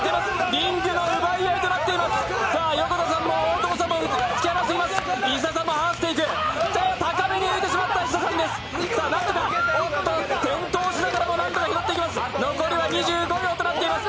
リングの奪い合いとなっています。